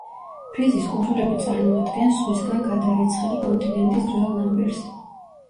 ფრიზის კუნძულები წარმოადგენს ზღვისგან გადარეცხილი კონტინენტის ძველ ნაპირს.